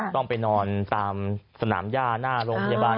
ต้องไปนอนตามสนามย่าหน้าโรงพยาบาล